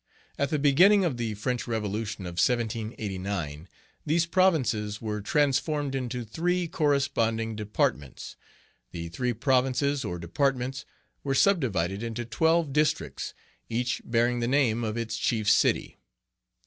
At the beginning of the French Revolution of 1789, these provinces were transformed into three corresponding Departments. The three Provinces, or Departments, were subdivided into twelve Districts, each bearing the name of its chief city.